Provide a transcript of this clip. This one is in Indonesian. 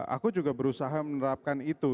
aku juga berusaha menerapkan itu